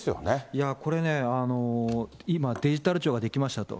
いや、これね、今、デジタル庁が出来ましたと。